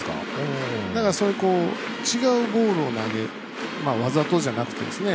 そういう違うボールを投げるわざとじゃなくてですね。